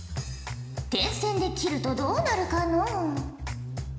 点線で切るとどうなるかのう？